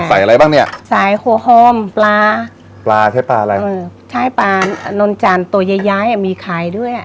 ใส่อะไรบ้างเนี่ยใส่โฮฮอมปลาปลาใช้ปลาอะไรใช้ปลานวนจันทร์ตัวย้ายมีไข่ด้วย